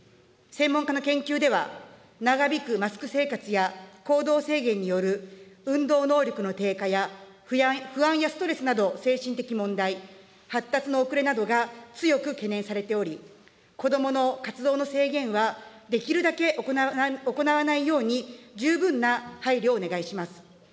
専門家の研究では、長引くマスク生活や行動制限による運動能力の低下や、不安やストレスなど、精神的問題、発達の遅れなどが強く懸念されており、子どもの活動の制限はできるだけ行わないように、十分な配慮をお願いします。